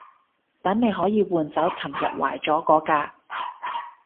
等你可以換走尋日壞咗嗰架